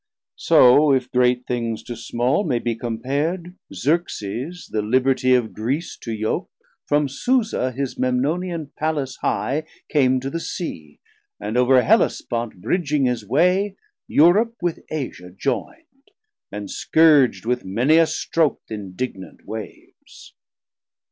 So, if great things to small may be compar'd, Xerxes, the Libertie of Greece to yoke, From Susa his Memnonian Palace high Came to the Sea, and over Hellespont Bridging his way, Europe with Asia joyn'd, 310 And scourg'd with many a stroak th' indignant waves.